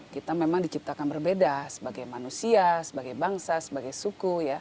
kita memang diciptakan berbeda sebagai manusia sebagai bangsa sebagai suku